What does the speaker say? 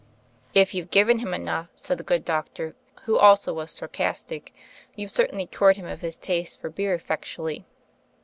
"If youVe given him enough," said the good doctor, who also was sarcastic, "you've certainly cured him of his taste for beer effectually."